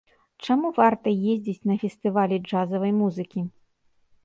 Чаму варта ездзіць на фестывалі джазавай музыкі?